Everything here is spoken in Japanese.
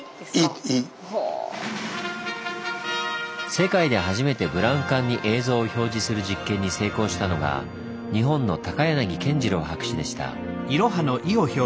世界で初めてブラウン管に映像を表示する実験に成功したのが日本の高柳健次郎博士でした。